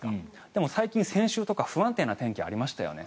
でも最近、先週とか不安定な天気ありましたよね。